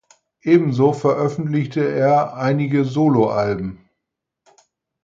Ebenso veröffentlichte er einige Soloalben.